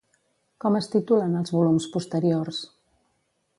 Com es titulen els volums posteriors?